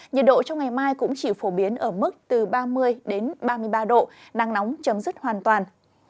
nhiệt độ trong ngày mai cũng chỉ phổ biến ở mức từ ba mươi ba mươi ba độ nắng nóng chấm dứt hoàn toàn